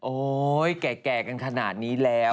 แก่กันขนาดนี้แล้ว